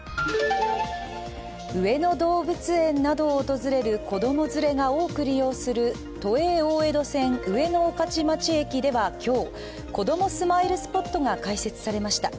上野動物園などを訪れる子供連れが多く利用する都営大江戸線上野御徒町駅では今日、こどもスマイルスポットが開設されました。